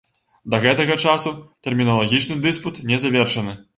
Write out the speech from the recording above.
Да гэтага часу тэрміналагічны дыспут не завершаны.